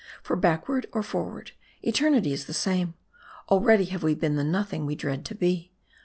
For backward or forward, eternity is the same ; already have we been the nothing we dread to be.